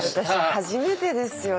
私初めてですよ